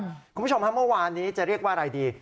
คุณผู้ชมฮะเมื่อวานนี้จะเรียกว่าอะไรดี